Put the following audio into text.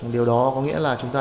điều đó có nghĩa là chúng ta